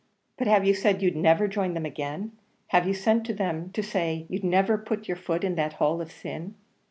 "But have you said you'd never join them again? have you sent to them to say you'd never put your foot in that hole of sin?